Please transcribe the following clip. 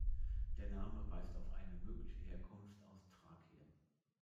Der Name weist auf eine mögliche Herkunft aus Thrakien.